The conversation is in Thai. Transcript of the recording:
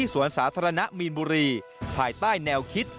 สวนสาธารณะมีนบุรีภายใต้แนวคิด